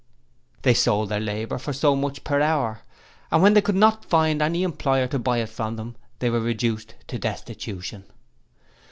'They sold their labour for so much per hour, and when they could not find any employer to buy it from them, they were reduced to destitution.